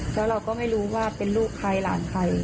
แล้วเราก็ไม่รู้ว่าเป็นลูกใครหลานใคร